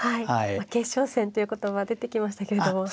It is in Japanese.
決勝戦という言葉出てきましたけれども。